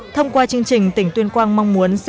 thông qua chương trình tỉnh tuyên quang mong muốn